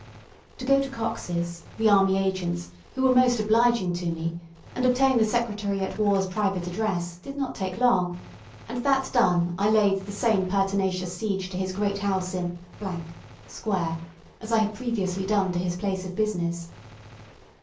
To go to Cox's, the army agents, who were most obliging to me, and obtain the Secretary at War's private address, did not take long; and that done, I laid the same pertinacious siege to his great house in Square, as I had previously done to his place of business.